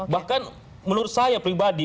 bahkan menurut saya pribadi